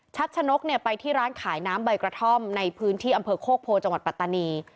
ชัดชะนกไปที่ร้านขายน้ำใบกระท่อมในพื้นที่อำเภอโคกโพจังหวัดปัตตานี